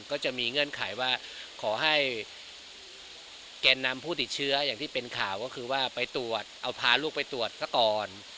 เงื่อนไขว่าขอให้แกนนำผู้ติดเชื้ออย่างที่เป็นข่าวก็คือว่าไปตรวจเอาพาลูกไปตรวจซะก่อน